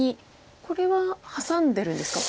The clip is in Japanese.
これはハサんでるんですか？